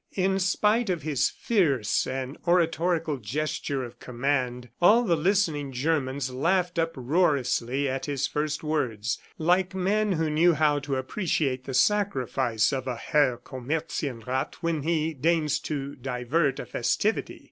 In spite of his fierce and oratorical gesture of command, all the listening Germans laughed uproariously at his first words, like men who knew how to appreciate the sacrifice of a Herr Comerzienrath when he deigns to divert a festivity.